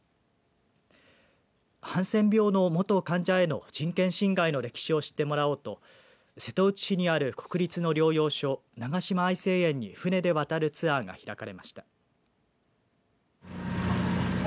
ハンセン病の元患者への人権侵害の歴史を知ってもらおうと瀬戸内市にある国立の療養所長島愛生園に船で渡るツアーが開かれました。